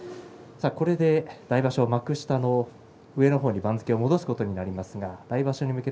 来場所、幕下の上の方に番付を戻すことになります。